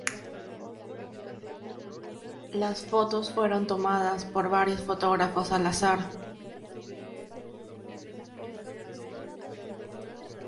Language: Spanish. Las fotos fueron tomadas por varios fotógrafos al azar.